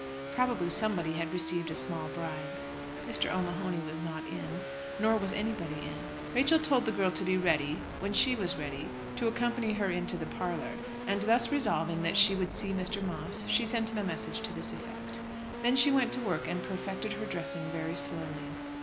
Probably somebody had received a small bribe. Mr. O'Mahony was not in, nor was anybody in. Rachel told the girl to be ready when she was ready to accompany her into the parlour, and thus resolving that she would see Mr. Moss she sent him a message to this effect. Then she went to work and perfected her dressing very slowly.